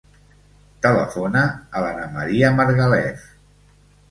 Telefona a l'Ana maria Margalef.